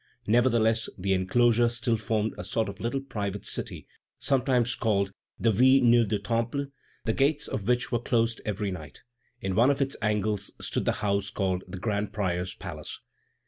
Nevertheless, the enclosure still formed a sort of little private city, sometimes called the Ville Neuve du Temple, the gates of which were closed every night. In one of its angles stood the house called the grand prior's palace.